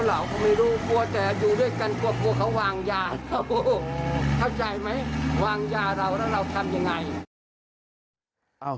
ารู้โห